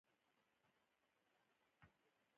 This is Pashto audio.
موږ له ځان سره د چای ترموز اخيستی و.